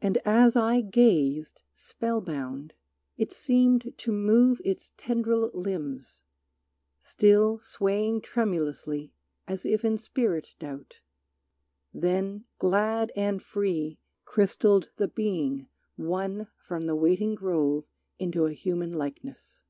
And as I gazed, spell bound, it seemed to move Its tendril limbs, still swaying tremulously As if in spirit doubt; then glad and free Crystalled the being won from waiting grove Into a human likeness.